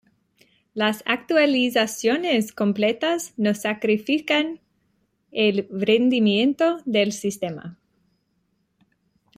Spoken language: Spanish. Las actualizaciones completas no sacrifican el rendimiento del sistema.